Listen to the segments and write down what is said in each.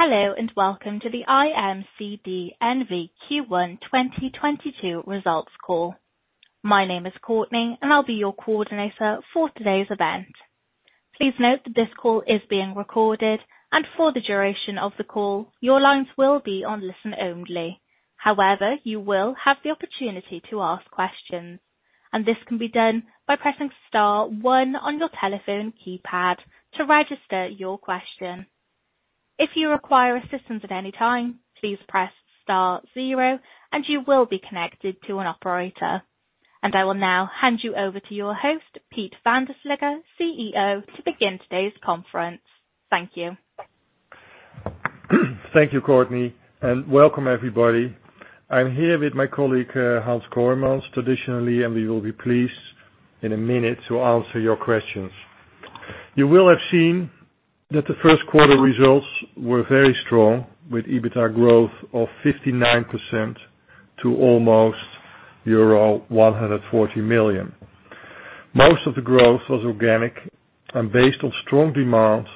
Hello, and welcome to the IMCD N.V. Q1 2022 results call. My name is Courtney, and I'll be your coordinator for today's event. Please note that this call is being recorded, and for the duration of the call, your lines will be on listen-only. However, you will have the opportunity to ask questions, and this can be done by pressing star one on your telephone keypad to register your question. If you require assistance at any time, please press star zero, and you will be connected to an operator. I will now hand you over to your host, Piet van der Slikke, CEO, to begin today's conference. Thank you. Thank you, Courtney, and welcome everybody. I'm here with my colleague, Hans Kooijmans, traditionally, and we will be pleased in a minute to answer your questions. You will have seen that the Q1 results were very strong, with EBITDA growth of 59% to almost euro 140 million. Most of the growth was organic and based on strong demands,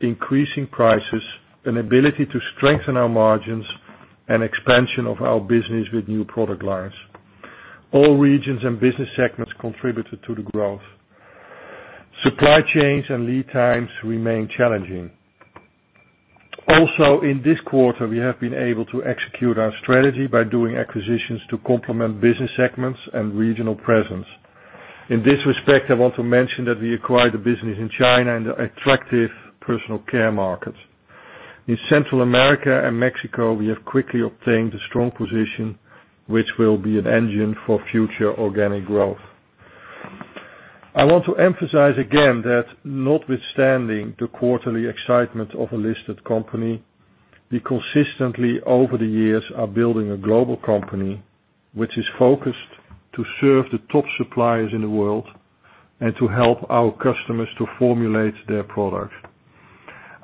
increasing prices, an ability to strengthen our margins, and expansion of our business with new product lines. All regions and business segments contributed to the growth. Supply chains and lead times remain challenging. Also, in this quarter, we have been able to execute our strategy by doing acquisitions to complement business segments and regional presence. In this respect, I want to mention that we acquired a business in China, in the attractive personal care market. In Central America and Mexico, we have quickly obtained a strong position which will be an engine for future organic growth. I want to emphasize again that notwithstanding the quarterly excitement of a listed company, we consistently, over the years, are building a global company which is focused to serve the top suppliers in the world and to help our customers to formulate their product.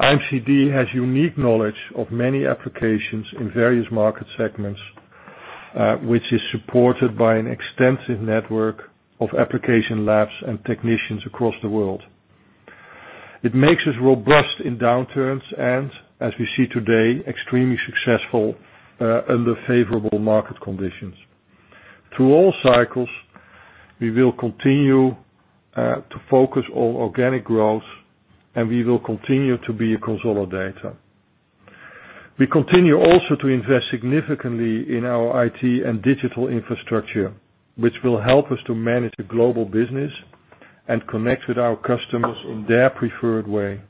IMCD has unique knowledge of many applications in various market segments, which is supported by an extensive network of application labs and technicians across the world. It makes us robust in downturns and, as we see today, extremely successful, under favorable market conditions. Through all cycles, we will continue to focus on organic growth, and we will continue to be a consolidator. We continue also to invest significantly in our IT and digital infrastructure, which will help us to manage a global business and connect with our customers in their preferred way.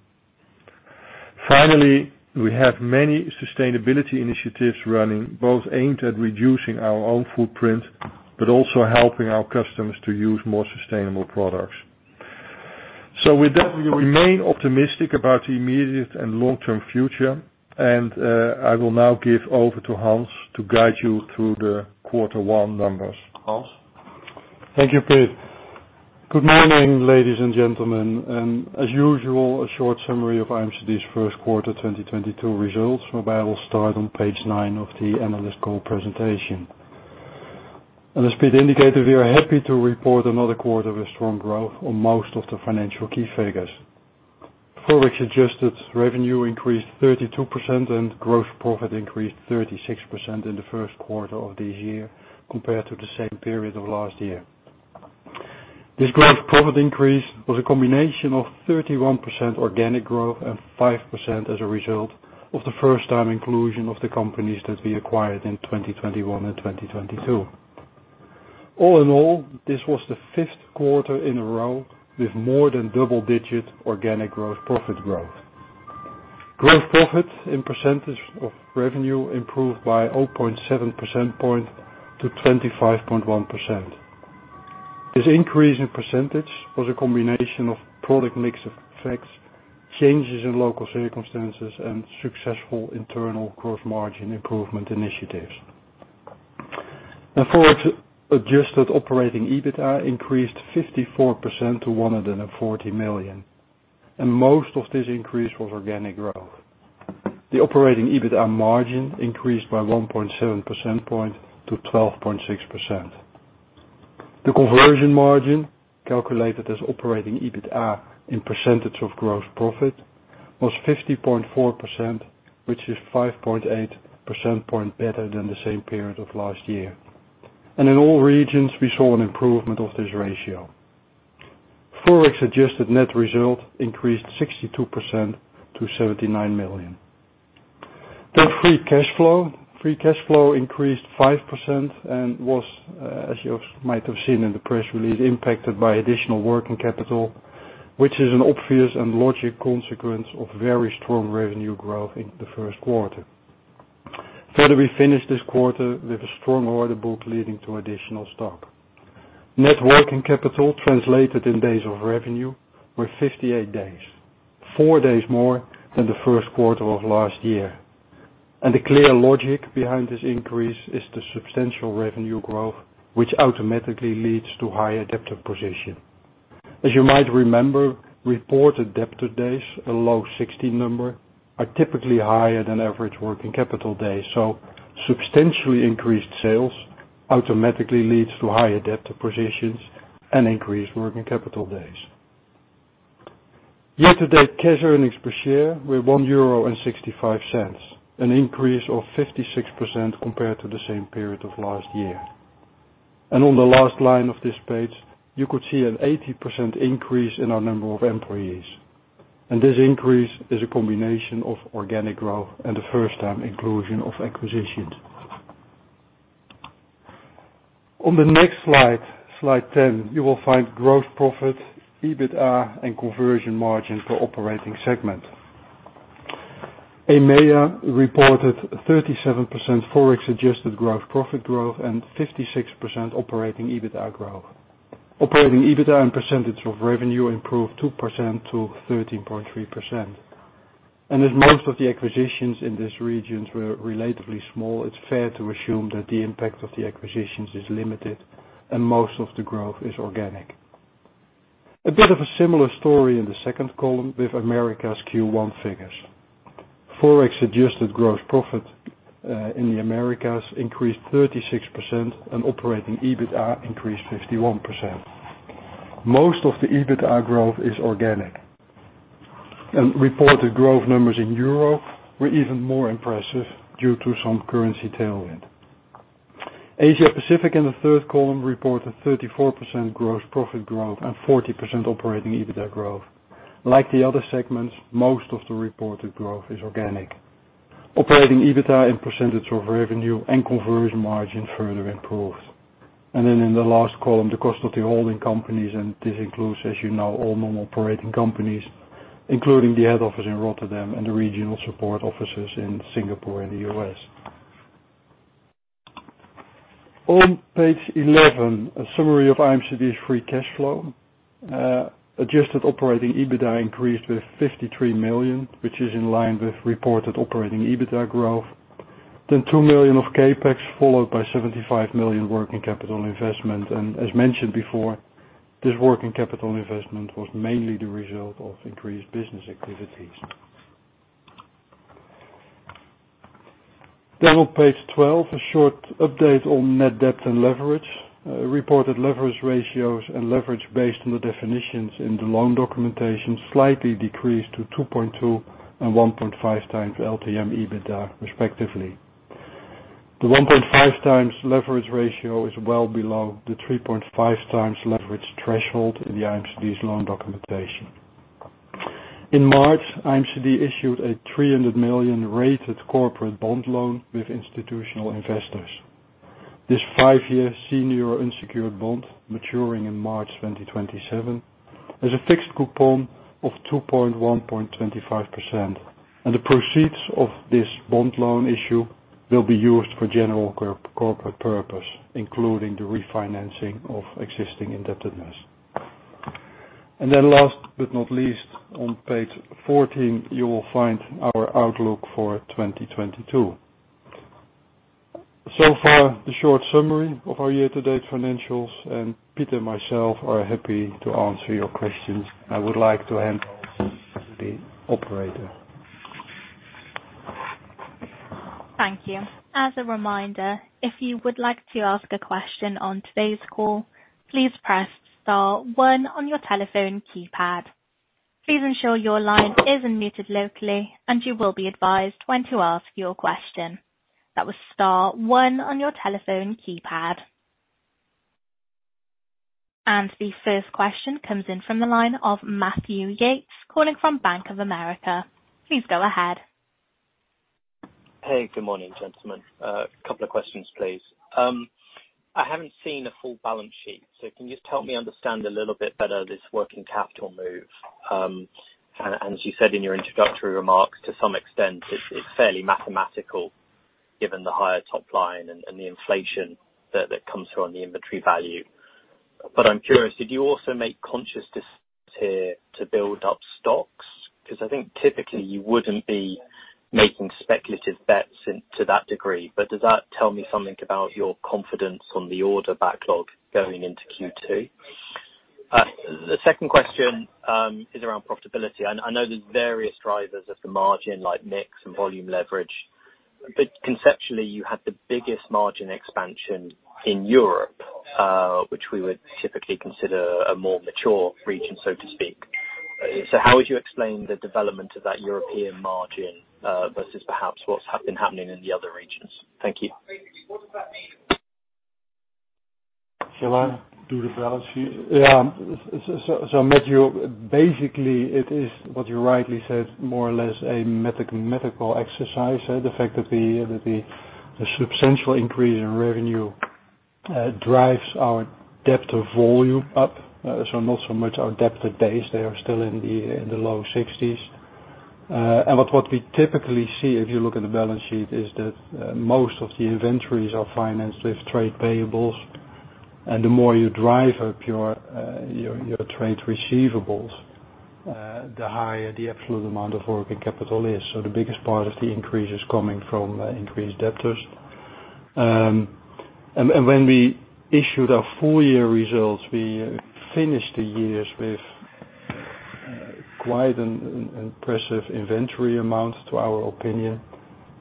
Finally, we have many sustainability initiatives running, both aimed at reducing our own footprint, but also helping our customers to use more sustainable products. With that, we remain optimistic about the immediate and long-term future and, I will now give over to Hans to guide you through the quarter one numbers. Hans? Thank you, Piet. Good morning, ladies and gentlemen, and as usual, a short summary of IMCD's Q1 2022 results, whereby I will start on page nine of the analyst call presentation. As Piet indicated, we are happy to report another quarter with strong growth on most of the financial key figures. Forex-adjusted revenue increased 32% and gross profit increased 36% in the Q1 of this year compared to the same period of last year. This gross profit increase was a combination of 31% organic growth and 5% as a result of the first time inclusion of the companies that we acquired in 2021 and 2022. All in all, this was the Q5 in a row with more than double-digit organic gross profit growth. Gross profit in percentage of revenue improved by 0.7 percentage points to 25.1%. This increase in percentage was a combination of product mix effects, changes in local circumstances, and successful internal gross margin improvement initiatives. Now, FX-adjusted operating EBITDA increased 54% to 140 million, and most of this increase was organic growth. The operating EBITDA margin increased by 1.7 percentage points to 12.6%. The conversion margin, calculated as operating EBITDA in percentage of gross profit, was 50.4%, which is 5.8 percentage points better than the same period of last year. In all regions, we saw an improvement of this ratio. FX-adjusted net result increased 62% to 79 million. The free cash flow. Free cash flow increased 5% and was, as you might have seen in the press release, impacted by additional working capital, which is an obvious and logical consequence of very strong revenue growth in the Q1. Further, we finished this quarter with a strong order book leading to additional stock. Net working capital translated in days of revenue were 58 days, four days more than the Q1 of last year. The clear logic behind this increase is the substantial revenue growth, which automatically leads to higher debtor position. As you might remember, reported debtor days, a low 16 number, are typically higher than average working capital days. Substantially increased sales automatically leads to higher debtor positions. Increase working capital days. Year-to-date cash earnings per share were 1.65 euro, an increase of 56% compared to the same period of last year. On the last line of this page, you could see an 80% increase in our number of employees. This increase is a combination of organic growth and the first time inclusion of acquisitions. On the next slide 10, you will find gross profit, EBITDA, and conversion margin per operating segment. EMEA reported 37% Forex adjusted gross profit growth and 56% operating EBITDA growth. Operating EBITDA as a percentage of revenue improved 2% to 13.3%. As most of the acquisitions in these regions were relatively small, it's fair to assume that the impact of the acquisitions is limited, and most of the growth is organic. A bit of a similar story in the second column with Americas Q1 figures. Forex adjusted gross profit in the Americas increased 36% and operating EBITDA increased 51%. Most of the EBITA growth is organic. Reported growth numbers in Europe were even more impressive due to some currency tailwind. Asia Pacific in the third column reported 34% gross profit growth and 40% operating EBITA growth. Like the other segments, most of the reported growth is organic. Operating EBITA and percentage of revenue and conversion margin further improved. In the last column, the cost of the holding companies, and this includes, as you know, all normal operating companies, including the head office in Rotterdam and the regional support offices in Singapore and the U.S. On page 11, a summary of IMCD's free cash flow. Adjusted operating EBITA increased with 53 million, which is in line with reported operating EBITA growth. 2,000,000 of CapEx, followed by 75 million working capital investment. As mentioned before, this working capital investment was mainly the result of increased business activities. On page 12, a short update on net debt and leverage. Reported leverage ratios and leverage based on the definitions in the loan documentation slightly decreased to 2.2x and 1.5x LTM EBITA respectively. The 1.5x leverage ratio is well below the 3.5x leverage threshold in the IMCD's loan documentation. In March, IMCD issued a 300 million rated corporate bond loan with institutional investors. This five year senior unsecured bond, maturing in March 2027, has a fixed coupon of 2.125%, and the proceeds of this bond loan issue will be used for general corporate purpose, including the refinancing of existing indebtedness. Last but not least, on page 14, you will find our outlook for 2022. Far, the short summary of our year-to-date financials, and Piet and myself are happy to answer your questions. I would like to hand over to the operator. Thank you. As a reminder, if you would like to ask a question on today's call, please press star one on your telephone keypad. Please ensure your line is unmuted locally, and you will be advised when to ask your question. That was star one on your telephone keypad. The first question comes in from the line of Matthew Yates, calling from Bank of America. Please go ahead. Hey, good morning, gentlemen. Couple of questions, please. I haven't seen a full balance sheet, so can you just help me understand a little bit better this working capital move? As you said in your introductory remarks, to some extent, it's fairly mathematical given the higher top line and the inflation that comes from the inventory value. But I'm curious, did you also make conscious decisions here to build up stocks? 'Cause I think typically you wouldn't be making speculative bets into that degree. But does that tell me something about your confidence on the order backlog going into Q2? The second question is around profitability. I know there's various drivers of the margin, like mix and volume leverage. Conceptually, you had the biggest margin expansion in Europe, which we would typically consider a more mature region, so to speak. How would you explain the development of that European margin, versus perhaps what's been happening in the other regions? Thank you. Shall I do the balance sheet? Yeah. Matthew, basically it is what you rightly said, more or less a mathematical exercise. The fact that the substantial increase in revenue drives our debt to volume up, so not so much our debt to days, they are still in the low 60s. What we typically see if you look at the balance sheet is that most of the inventories are financed with trade payables. The more you drive up your trade receivables, the higher the absolute amount of working capital is. The biggest part of the increase is coming from increased debtors. When we issued our full year results, we finished the year with quite an impressive inventory amount in our opinion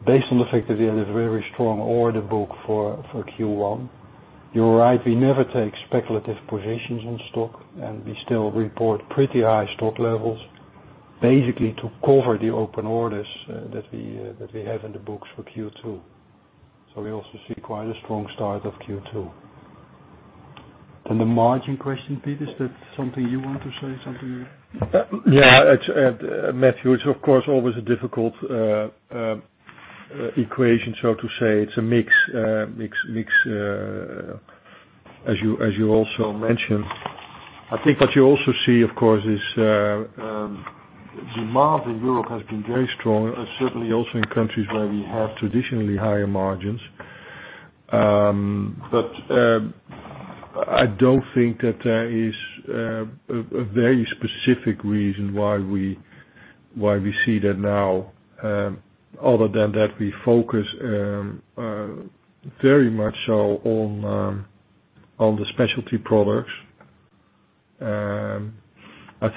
based on the fact that we had a very strong order book for Q1. You're right, we never take speculative positions on stock, and we still report pretty high stock levels, basically to cover the open orders that we have in the books for Q2. We also see quite a strong start of Q2. The margin question, Pete, is that something you want to say, something you Yeah. It's Matthew, it's of course always a difficult equation, so to say. It's a mix as you also mentioned. I think what you also see, of course, is demand in Europe has been very strong, and certainly also in countries where we have traditionally higher margins. I don't think that there is a very specific reason why we see that now, other than that we focus very much so on the specialty products. I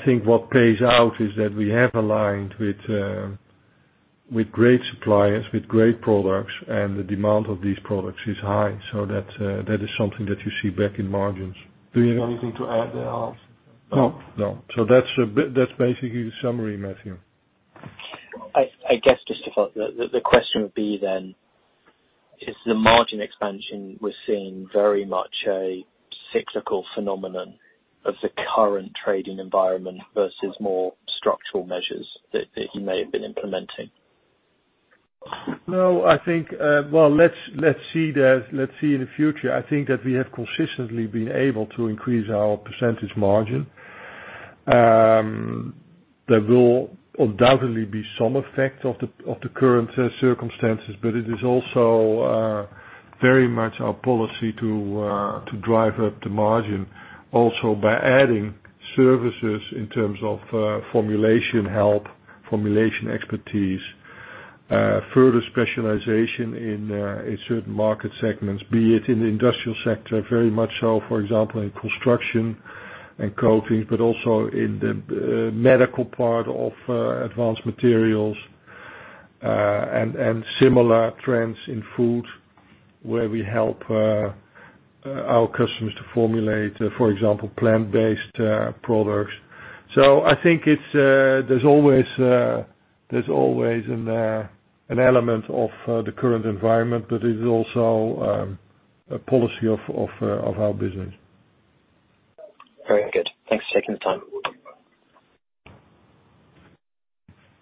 think what plays out is that we have aligned with great suppliers, with great products, and the demand of these products is high. That is something that you see back in margins. Do you have anything to add there, Hans? No. No. That's basically the summary, Matthew. I guess, just to follow up, the question would be then, is the margin expansion we're seeing very much a cyclical phenomenon of the current trading environment versus more structural measures that you may have been implementing? No, I think, well, let's see that in the future. I think that we have consistently been able to increase our percentage margin. There will undoubtedly be some effect of the current circumstances, but it is also very much our policy to drive up the margin also by adding services in terms of formulation help, formulation expertise, further specialization in certain market segments. Be it in the industrial sector, very much so, for example, in construction and coatings, but also in the medical part of advanced materials, and similar trends in food, where we help our customers to formulate, for example, plant-based products. There's always an element of the current environment, but it is also a policy of our business. Very good. Thanks for taking the time.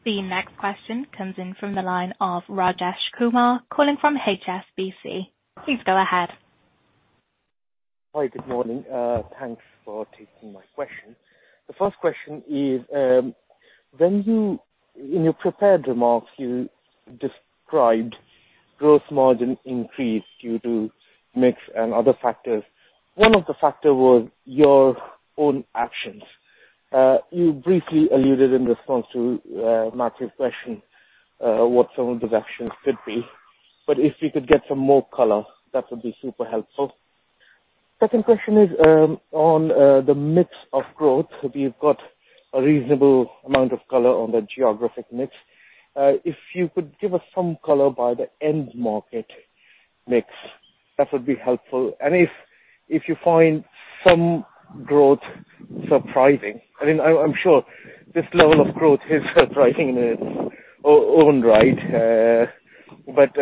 The next question comes in from the line of Rajesh Kumar, calling from HSBC. Please go ahead. Hi, good morning. Thanks for taking my question. The first question is, when you, in your prepared remarks, you described gross margin increase due to mix and other factors. One of the factor was your own actions. You briefly alluded in response to Matthew's question what some of the actions could be. But if you could give some more color, that would be super helpful. Second question is, on the mix of growth. We've got a reasonable amount of color on the geographic mix. If you could give us some color by the end market mix, that would be helpful. If you find some growth surprising, I mean, I'm sure this level of growth is surprising in its own right. But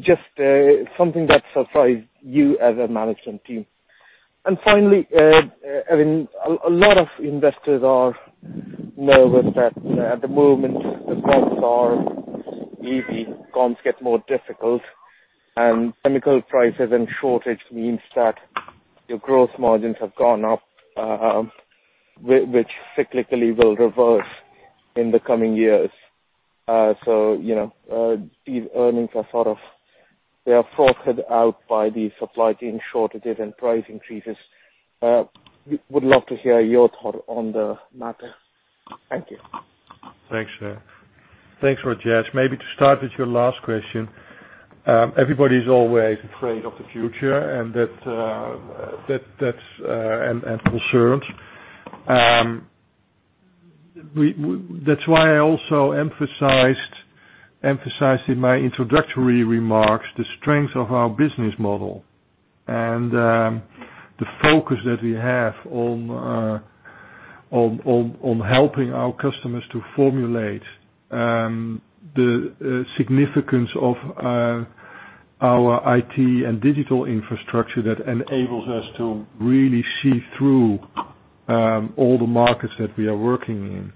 just something that surprised you as a management team. Finally, I mean, a lot of investors are nervous that at the moment, the comps are easy. Comps get more difficult. Chemical prices and shortage means that your gross margins have gone up, which cyclically will reverse in the coming years. You know, these earnings are sort of, they are frosted out by the supply chain shortages and price increases. We would love to hear your thought on the matter. Thank you. Thanks. Thanks, Rajesh. Maybe to start with your last question, everybody's always afraid of the future, and that's concerning. That's why I also emphasized in my introductory remarks the strength of our business model and the focus that we have on helping our customers to formulate the significance of our IT and digital infrastructure that enables us to really see through all the markets that we are working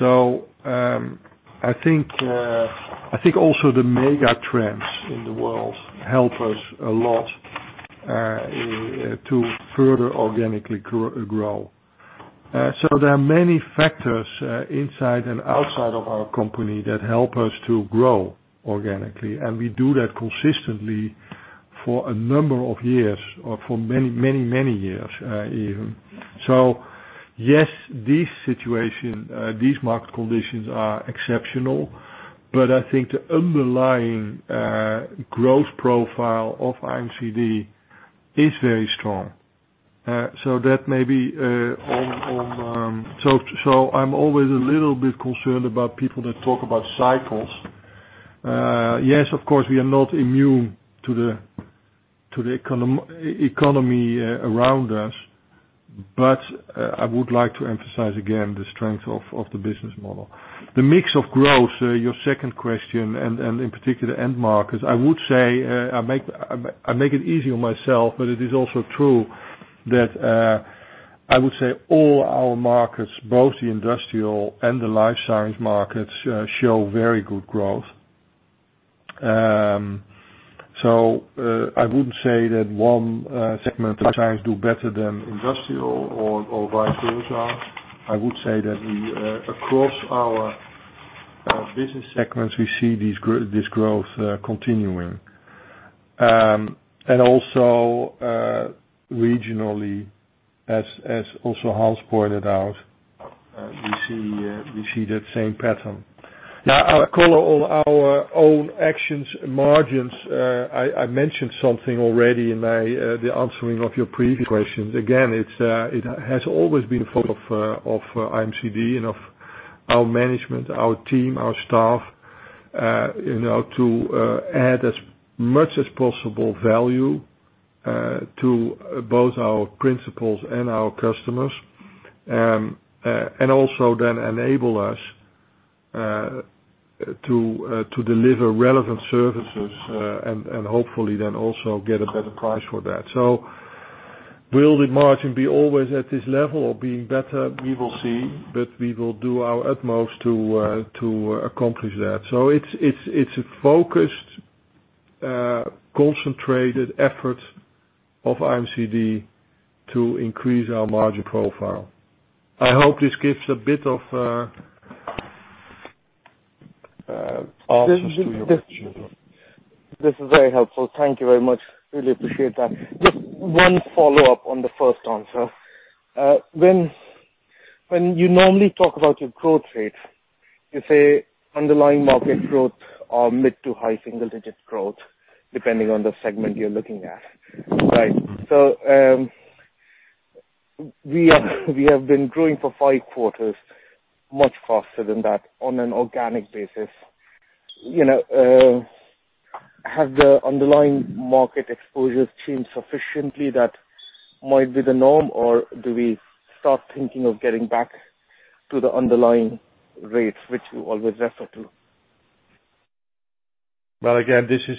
in. I think also the megatrends in the world help us a lot to further organically grow. There are many factors inside and outside of our company that help us to grow organically, and we do that consistently for a number of years, or for many, many, many years, even. Yes, this situation, these market conditions are exceptional. I think the underlying growth profile of IMCD is very strong. I'm always a little bit concerned about people that talk about cycles. Yes, of course, we are not immune to the economy around us, but I would like to emphasize again the strength of the business model. The mix of growth, your second question, and in particular, end markets, I would say, I make it easy on myself, but it is also true that, I would say all our markets, both the industrial and the life science markets, show very good growth. I wouldn't say that one segment of science do better than industrial or vice versa. I would say that we across our business segments, we see this growth continuing. Also regionally, as Hans also pointed out, we see that same pattern. Now, I'll talk about our own actions on margins. I mentioned something already in answering your previous questions. Again, it has always been focus of IMCD and of our management, our team, our staff, you know, to add as much as possible value to both our principals and our customers. Also then enable us to deliver relevant services, and hopefully then also get a better price for that. Will the margin be always at this level or being better? We will see, but we will do our utmost to accomplish that. It's a focused, concentrated effort of IMCD to increase our margin profile. I hope this gives a bit of answers to your questions. This is very helpful. Thank you very much. Really appreciate that. Just one follow-up on the first answer. When you normally talk about your growth rate, you say underlying market growth or mid to high single-digit growth, depending on the segment you're looking at. Right. We have been growing for five quarters, much faster than that on an organic basis. Have the underlying market exposures changed sufficiently that might be the norm, or do we start thinking of getting back to the underlying rates which you always refer to? Well, again, this is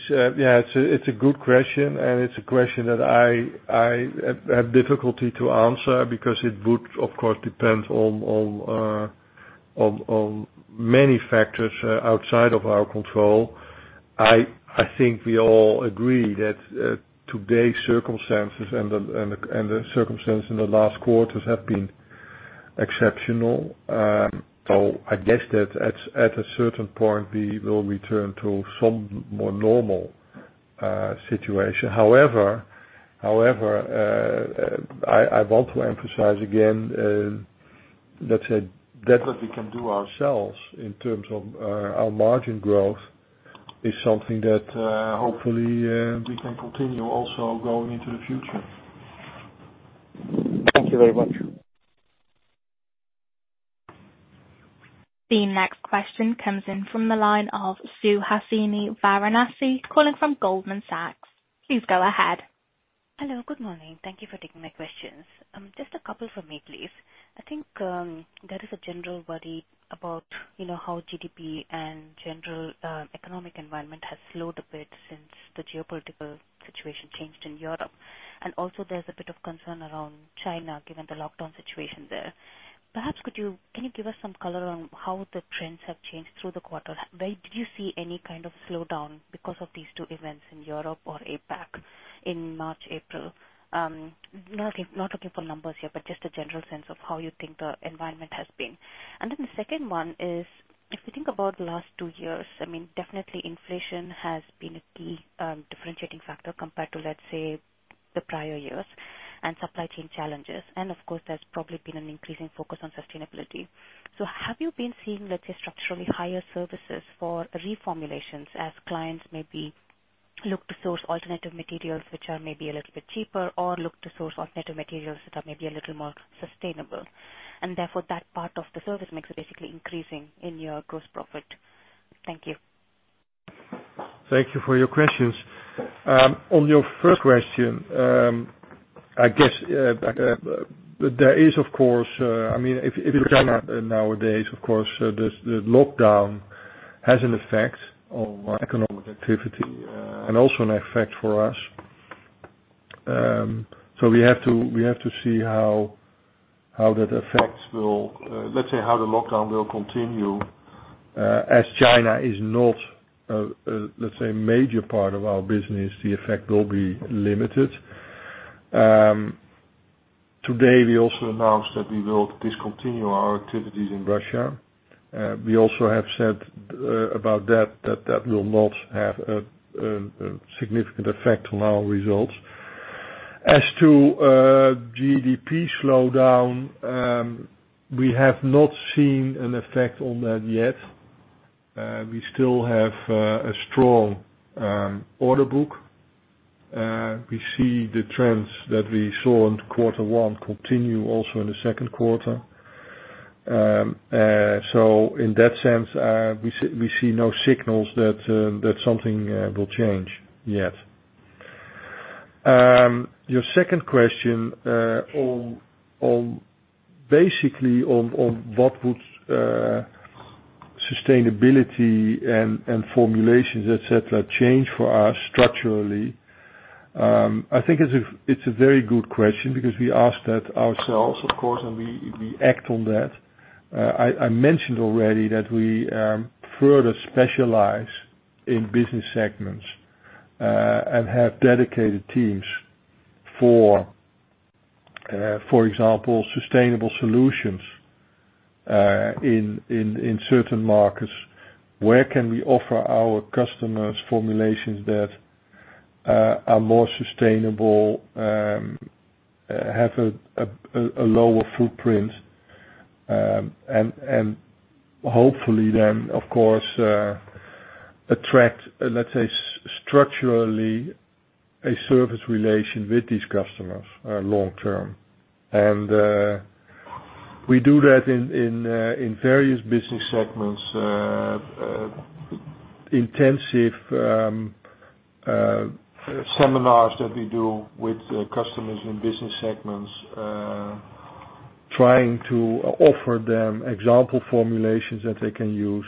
a good question, and it's a question that I have difficulty to answer because it would, of course, depend on many factors outside of our control. I think we all agree that today's circumstances and the circumstances in the last quarters have been exceptional. I guess that at a certain point, we will return to some more normal situation. However, I want to emphasize again, let's say that what we can do ourselves in terms of our margin growth is something that hopefully we can continue also going into the future. Thank you very much. The next question comes in from the line of Suhasini Varanasi, calling from Goldman Sachs. Please go ahead. Hello, good morning. Thank you for taking my questions. Just a couple for me, please. I think, there is a general worry about, you know, how GDP and general, economic environment has slowed a bit since the geopolitical situation changed in Europe. Also, there's a bit of concern around China, given the lockdown situation there. Can you give us some color on how the trends have changed through the quarter? Where did you see any kind of slowdown because of these two events in Europe or APAC in March, April? Not looking for numbers here, but just a general sense of how you think the environment has been. Then the second one is, if you think about the last two years, I mean, definitely inflation has been a key differentiating factor compared to, let's say, the prior years and supply chain challenges. Of course, there's probably been an increasing focus on sustainability. Have you been seeing, let's say, structurally higher services for reformulations as clients maybe look to source alternative materials which are maybe a little bit cheaper or look to source alternative materials that are maybe a little more sustainable, and therefore that part of the service mix is basically increasing in your gross profit? Thank you. Thank you for your questions. On your first question, I guess, there is, of course, I mean, if you look at China nowadays, of course, the lockdown has an effect on economic activity, and also an effect for us. We have to see how that effect will, let's say, how the lockdown will continue. As China is not a let's say major part of our business, the effect will be limited. Today, we also announced that we will discontinue our activities in Russia. We also have said about that that will not have a significant effect on our results. As to GDP slowdown, we have not seen an effect on that yet. We still have a strong order book. We see the trends that we saw in quarter one continue also in the Q2. In that sense, we see no signals that something will change yet. Your second question on basically what would sustainability and formulations, etc., change for us structurally. I think it's a very good question because we ask that ourselves, of course, and we act on that. I mentioned already that we further specialize in business segments and have dedicated teams for example, sustainable solutions in certain markets. Where can we offer our customers formulations that are more sustainable, have a lower footprint, and hopefully then, of course, attract, let's say, structurally a service relation with these customers, long term. We do that in various business segments. Intensive seminars that we do with customers in business segments. Trying to offer them example formulations that they can use.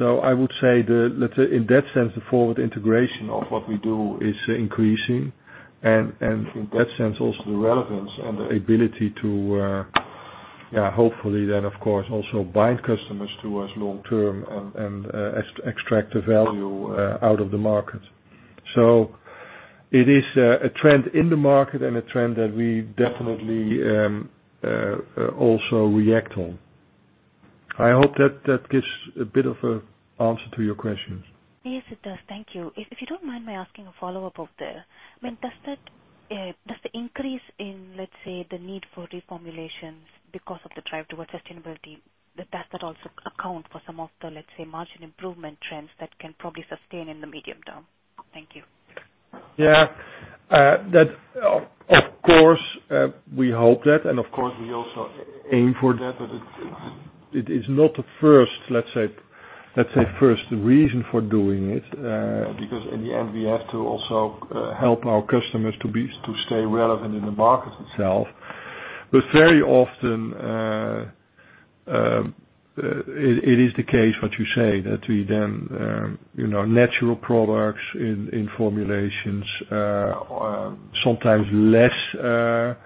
I would say the... Let's say in that sense, the forward integration of what we do is increasing, and in that sense, also the relevance and the ability to, hopefully then, of course, also bind customers to us long term and, extract the value out of the market. It is a trend in the market and a trend that we definitely also react on. I hope that that gives a bit of an answer to your questions. Yes, it does. Thank you. If you don't mind me asking a follow-up on that. I mean, does that, does the increase in, let's say, the need for reformulations because of the drive toward sustainability, does that also account for some of the, let's say, margin improvement trends that can probably sustain in the medium term? Thank you. Yeah. That, of course, we hope that, and of course we also aim for that, but it is not the first, let's say, first reason for doing it, because in the end, we have to also help our customers to stay relevant in the market itself. Very often, it is the case what you say, that we then, you know, natural products in formulations, sometimes less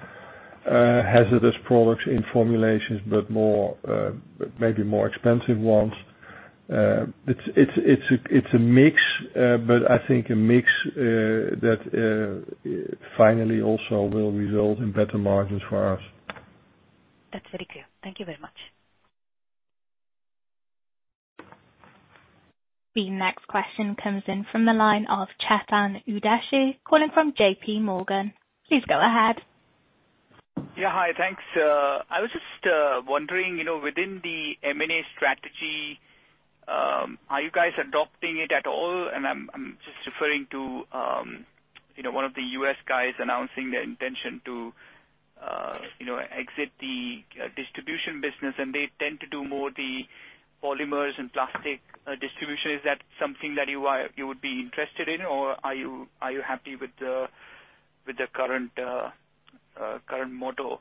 hazardous products in formulations, but more, maybe more expensive ones. It's a mix, but I think a mix that finally also will result in better margins for us. That's very clear. Thank you very much. The next question comes in from the line of Chetan Udeshi, calling from JP Morgan. Please go ahead. Yeah. Hi, thanks. I was just wondering, you know, within the M&A strategy, are you guys adopting it at all? I'm just referring to, you know, one of the U.S. guys announcing their intention to, you know, exit the distribution business, and they tend to do more the polymers and plastic distribution. Is that something that you are, you would be interested in, or are you happy with the current model?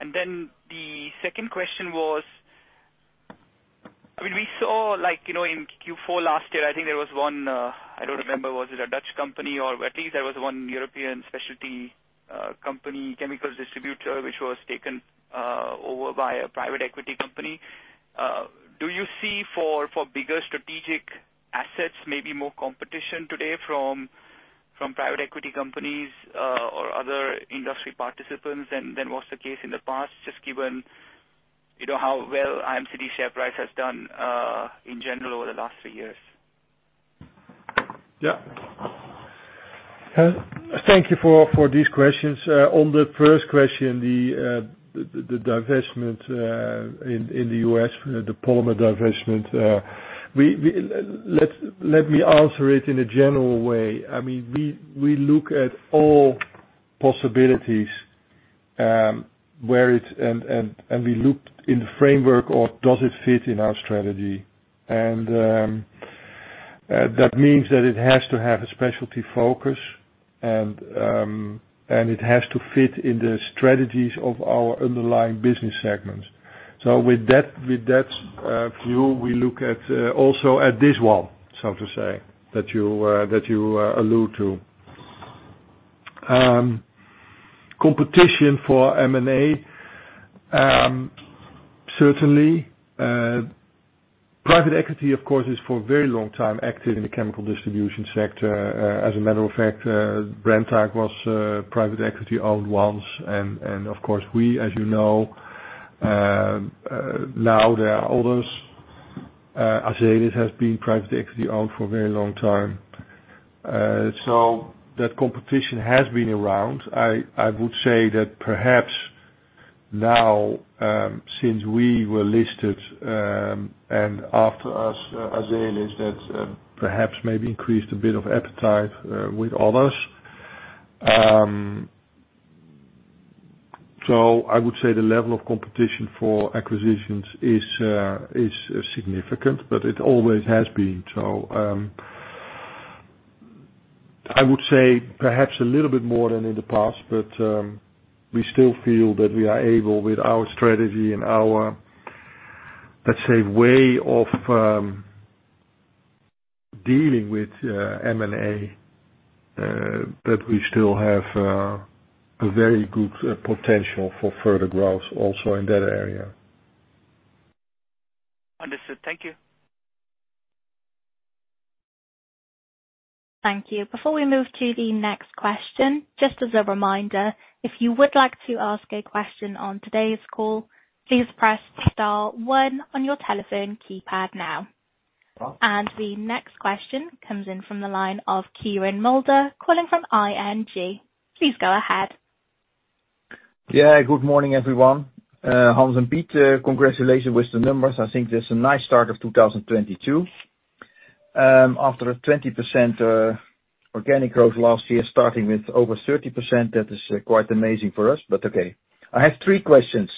Then the second question was. I mean, we saw like, you know, in Q4 last year, I think there was one. I don't remember, was it a Dutch company or at least there was one European specialty chemicals distributor, which was taken over by a private equity company. Do you see for bigger strategic assets, maybe more competition today from private equity companies or other industry participants than was the case in the past? Just given, you know, how well IMCD share price has done, in general over the last three years. Yeah. Thank you for these questions. On the first question, the divestment in the U.S., the polymer divestment, let me answer it in a general way. I mean, we look at all possibilities. We look in the framework of does it fit in our strategy? That means that it has to have a specialty focus and it has to fit in the strategies of our underlying business segments. With that view, we look at also at this one, so to say, that you allude to. Competition for M&A. Certainly, private equity, of course, is for a very long time active in the chemical distribution sector. As a matter of fact, Brenntag was private equity-owned once. Of course we, as you know, now there are others. Azelis has been private equity-owned for a very long time. That competition has been around. I would say that perhaps now, since we were listed, and after us, Azelis has perhaps maybe increased a bit of appetite with others. I would say the level of competition for acquisitions is significant, but it always has been. I would say perhaps a little bit more than in the past, but we still feel that we are able with our strategy and our, let's say, way of dealing with M&A, that we still have a very good potential for further growth also in that area. Understood. Thank you. Thank you. Before we move to the next question, just as a reminder, if you would like to ask a question on today's call, please press star one on your telephone keypad now. The next question comes in from the line of Quirijn Mulder, calling from ING. Please go ahead. Yeah. Good morning, everyone. Hans and Piet, congratulations with the numbers. I think that's a nice start of 2022. After a 20% organic growth last year, starting with over 30%, that is quite amazing for us, but okay. I have three questions.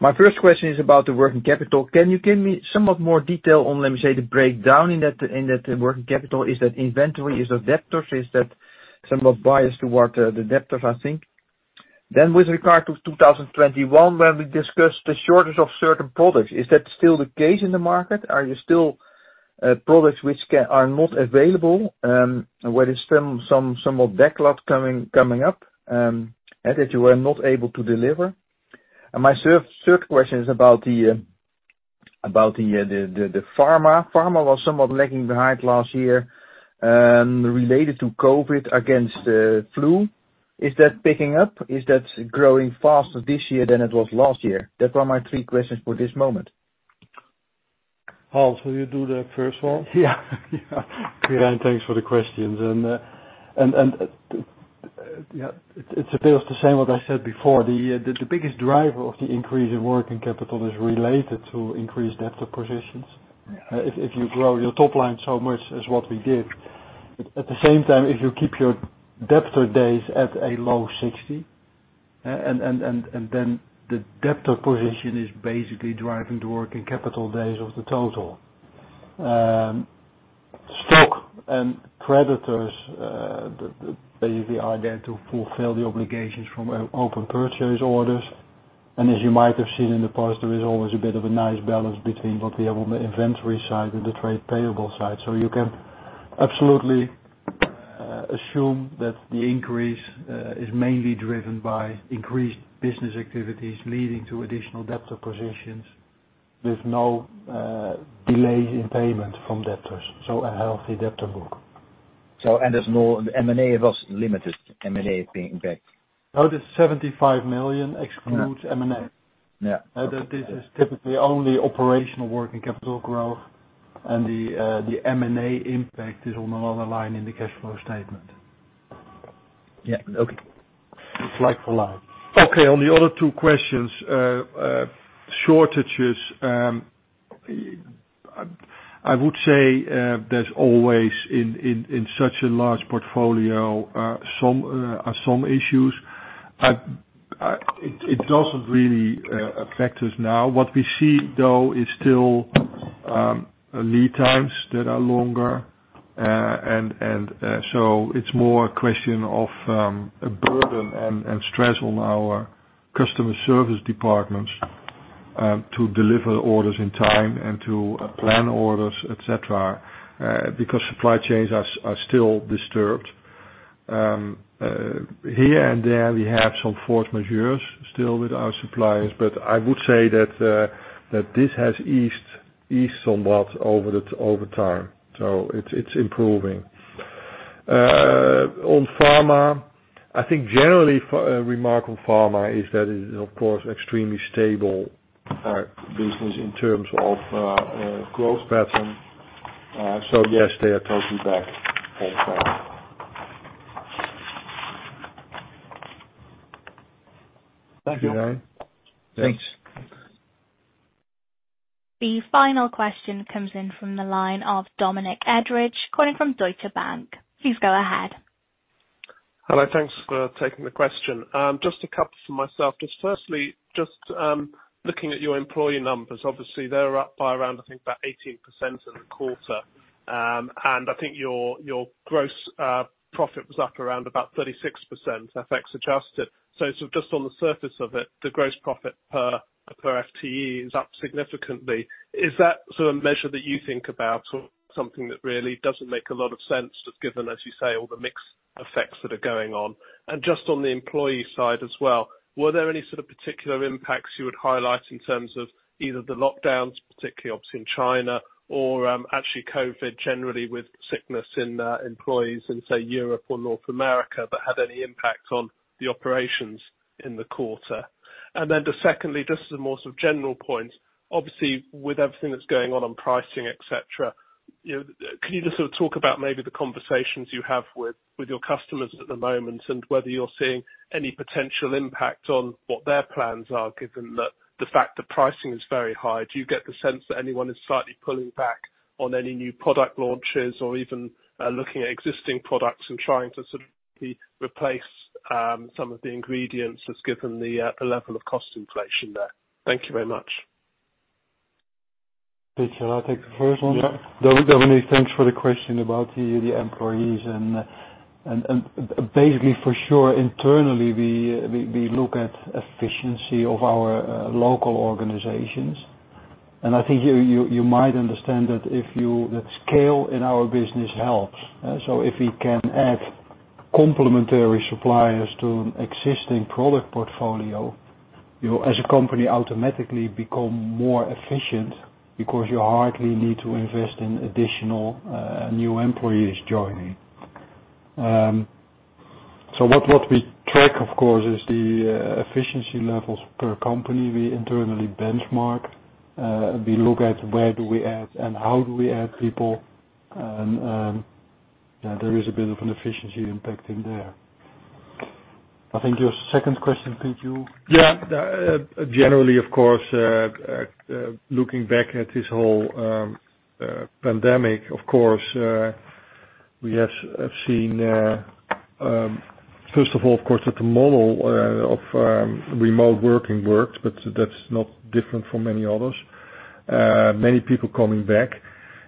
My first question is about the working capital. Can you give me somewhat more detail on, let me say, the breakdown in that working capital? Is that inventory? Is that debtors? Is that somewhat biased toward the debtors, I think? With regard to 2021, when we discussed the shortage of certain products, is that still the case in the market? Are there still products which are not available, where there's some more backlog coming up, that if you were not able to deliver? My third question is about the pharma. Pharma was somewhat lagging behind last year, related to COVID against the flu. Is that picking up? Is that growing faster this year than it was last year? Those are my three questions for this moment. Hans, will you do the first one? Yeah. Quirijn, thanks for the questions. It appears the same as what I said before. The biggest driver of the increase in working capital is related to increased debtor positions. If you grow your top line so much as what we did, at the same time, if you keep your debtor days at a low 60, then the debtor position is basically driving the working capital days of the total. Stock and creditors, they are there to fulfill the obligations from open purchase orders. As you might have seen in the past, there is always a bit of a nice balance between what we have on the inventory side and the trade payable side. You can absolutely assume that the increase is mainly driven by increased business activities leading to additional debtor positions. There's no delay in payment from debtors, so a healthy debtor book. The M&A impact was limited. No, the 75 million excludes M&A. Yeah. This is typically only operational working capital growth. The M&A impact is on another line in the cash flow statement. Yeah. Okay. It's like for like. Okay, on the other two questions, shortages, I would say, there's always in such a large portfolio, some issues. It doesn't really affect us now. What we see though is still lead times that are longer. And so it's more a question of a burden and stress on our customer service departments to deliver orders in time and to plan orders, etc. Because supply chains are still disturbed. Here and there, we have some force majeures still with our suppliers, but I would say that this has eased somewhat over time. It's improving. On pharma, I think generally remark on pharma is that it is of course extremely stable business in terms of growth pattern. Yes, they are totally back also. Thank you. Thanks. The final question comes in from the line of Dominic Edridge, calling from Deutsche Bank. Please go ahead. Hello. Thanks for taking the question. Just a couple from myself. Just firstly, looking at your employee numbers, obviously, they're up by around, I think, about 18% in the quarter. And I think your gross profit was up around about 36%, FX adjusted. Just on the surface of it, the gross profit per FTE is up significantly. Is that sort of measure that you think about or something that really doesn't make a lot of sense, just given, as you say, all the mixed effects that are going on? Just on the employee side as well, were there any sort of particular impacts you would highlight in terms of either the lockdowns, particularly obviously in China or, actually, COVID generally with sickness in employees in, say, Europe or North America that had any impact on the operations in the quarter? Secondly, just as a more sort of general point, obviously with everything that's going on on pricing, et cetera, you know, can you just sort of talk about maybe the conversations you have with your customers at the moment, and whether you're seeing any potential impact on what their plans are, given the fact the pricing is very high. Do you get the sense that anyone is slightly pulling back on any new product launches or even, looking at existing products and trying to sort of replace, some of the ingredients, just given the level of cost inflation there? Thank you very much. Pete, shall I take the first one? Yeah. Dominic, thanks for the question about the employees and basically for sure, internally we look at efficiency of our local organizations. I think you might understand that the scale in our business helps. If we can add complementary suppliers to existing product portfolio, you as a company automatically become more efficient because you hardly need to invest in additional new employees joining. What we track of course is the efficiency levels per company. We internally benchmark. We look at where do we add and how do we add people, and yeah, there is a bit of an efficiency impacting there. I think your second question, Piet, you- Generally of course, looking back at this whole pandemic, of course, we have seen, first of all, of course, that the model of remote working works, but that's not different from many others. Many people coming back.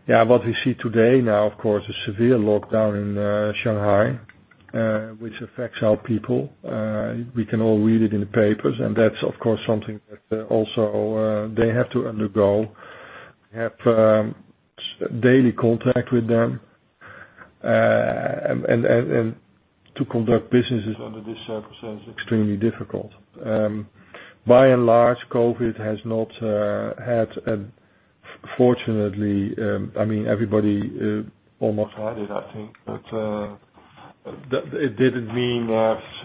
What we see today now of course a severe lockdown in Shanghai, which affects our people. We can all read it in the papers and that's of course something that also they have to undergo. We have daily contact with them, and to conduct businesses under these circumstances is extremely difficult. By and large, COVID has not had a... Fortunately, I mean, everybody almost had it I think, but it didn't mean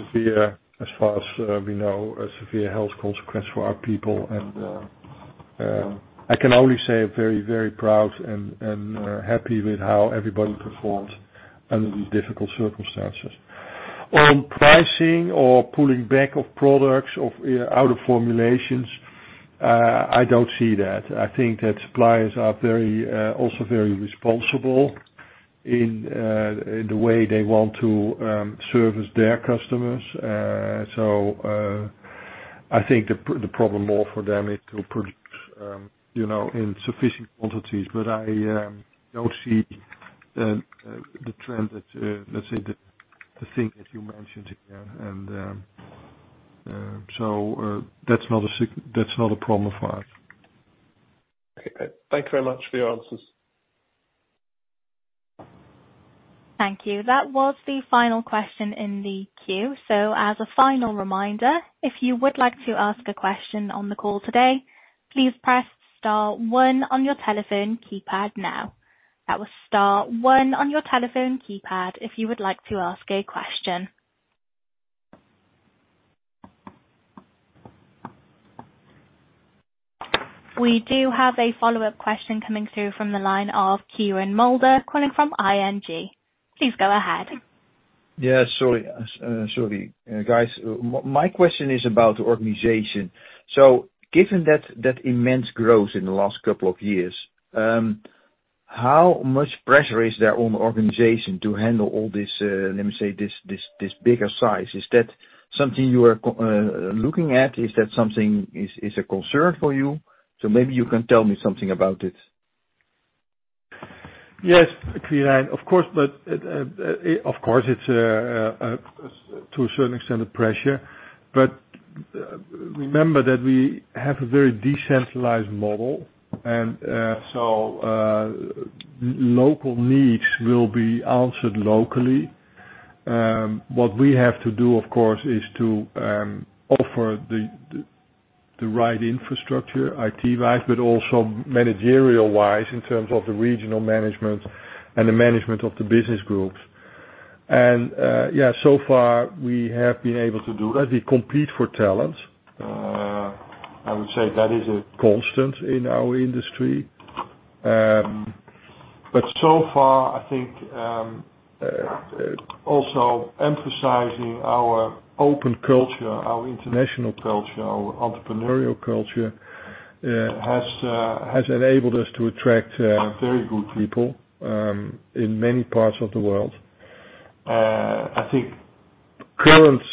severe as far as we know, a severe health consequence for our people. I can only say very, very proud and happy with how everybody performed under these difficult circumstances. On pricing or pulling back of products out of formulations, I don't see that. I think that suppliers are very also very responsible in the way they want to service their customers. I think the problem more for them is to predict, you know, insufficient quantities. I don't see the trend that, let's say, the thing that you mentioned here. That's not a problem of ours. Okay. Thank you very much for your answers. Thank you. That was the final question in the queue. As a final reminder, if you would like to ask a question on the call today, please press star one on your telephone keypad now. That was star one on your telephone keypad if you would like to ask a question. We do have a follow-up question coming through from the line of Quirijn Mulder calling from ING. Please go ahead. Sorry, guys. My question is about the organization. Given that immense growth in the last couple of years, how much pressure is there on the organization to handle all this, let me say this bigger size? Is that something you are looking at? Is that something is a concern for you? Maybe you can tell me something about it. Yes, Quirijn, of course, but of course it's to a certain extent a pressure, but remember that we have a very decentralized model and so local needs will be answered locally. What we have to do, of course, is to offer the right infrastructure, IT wise, but also managerial wise in terms of the regional management and the management of the business groups. Yeah, so far we have been able to do that. We compete for talent. I would say that is a constant in our industry. So far, I think, also emphasizing our open culture, our international culture, our entrepreneurial culture has enabled us to attract very good people in many parts of the world. I think currently,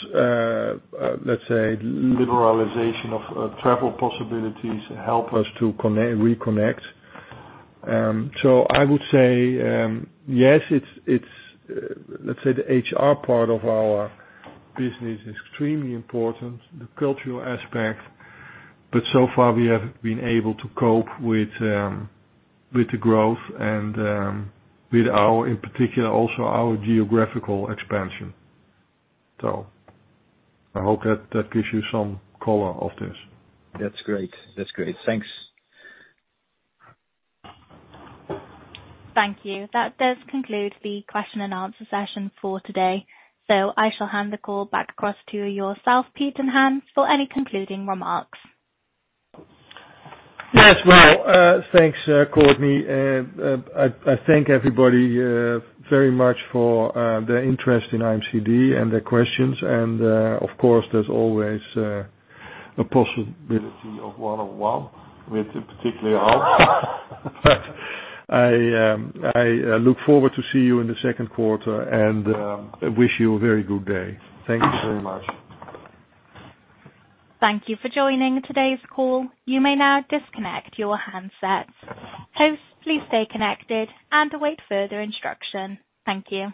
let's say, liberalization of travel possibilities help us to reconnect. I would say, yes, it's, let's say, the HR part of our business is extremely important, the cultural aspect, but so far we have been able to cope with the growth and, in particular, also our geographical expansion. I hope that gives you some color on this. That's great. Thanks. Thank you. That does conclude the question and answer session for today. I shall hand the call back across to yourself, Pete and Hans, for any concluding remarks. Yes. Well, thanks, Courtney. I thank everybody very much for their interest in IMCD and their questions. Of course, there's always a possibility of one-on-one with particularly Hans. I look forward to see you in the Q2 and wish you a very good day. Thank you very much. Thank you for joining today's call. You may now disconnect your handsets. Hosts, please stay connected and await further instruction. Thank you.